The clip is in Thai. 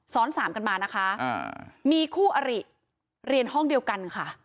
สามกันมานะคะมีคู่อริเรียนห้องเดียวกันค่ะ